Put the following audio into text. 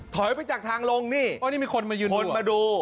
ถอยไปจากทางลงนี่คนมดู